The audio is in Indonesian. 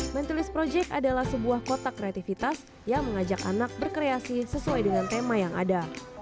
mentilis project adalah sebuah kotak kreativitas yang mengajak anak berkreasi sesuai dengan tema yang ada